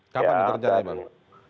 kapan itu terjadi bang